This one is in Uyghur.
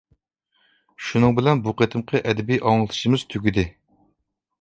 شۇنىڭ بىلەن بۇ قېتىمقى ئەدەبىي ئاڭلىتىشىمىز تۈگىدى.